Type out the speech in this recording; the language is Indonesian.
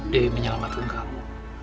dewi menyelamatkan kamu